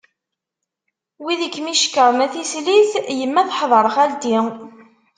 Win i kem-icekkren a tislit? Yemma teḥder xalti.